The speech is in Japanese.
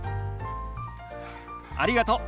ありがとう。